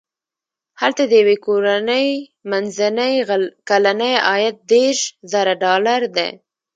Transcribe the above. هلته د یوې کورنۍ منځنی کلنی عاید دېرش زره ډالر دی.